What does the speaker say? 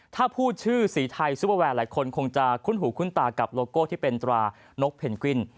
ถ้าพูดชื่อสีไทยซุปเปอร์แวร์หลายคนคงจะคุ้นหูคุ้นตากับโลโก้ที่เป็นตรานกเพนกวิน